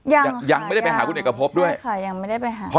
ยังยังไม่ได้ไปหาคุณเอกพบด้วยค่ะยังไม่ได้ไปหา